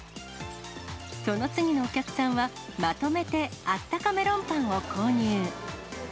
その次のお客さんは、まとめてあったかメロンパンを購入。